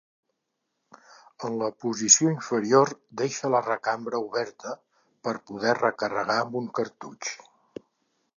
En la posició inferior deixa la recambra oberta, per poder recarregar amb un cartutx.